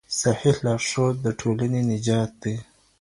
صحيح لارښود د ټولني نجات دی.